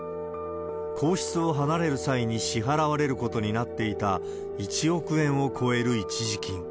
皇室を離れる際に支払われることになっていた１億円を超える一時金。